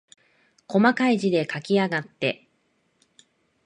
こまかい字で書きやがって。